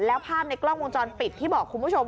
แล้วภาพในกล้องวงจรปิดที่บอกคุณผู้ชม